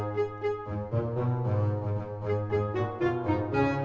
dia ujak pulang